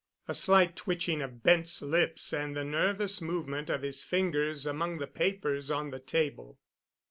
A slight twitching of Bent's lips and the nervous movement of his fingers among the papers on the table.